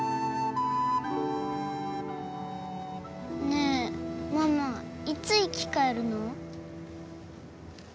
ねえママいつ生き返るの？